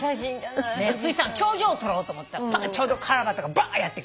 富士山の頂上を撮ろうと思ったらちょうどカワラバトがばーやって来て。